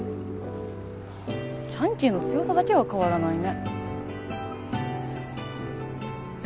ジャンケンの強さだけは変わらないね。